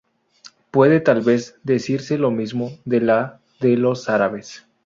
Puede tal vez decirse lo mismo de la de los árabes.